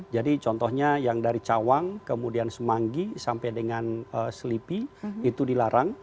jadi contohnya yang dari cawang kemudian semanggi sampai dengan selipi itu dilarang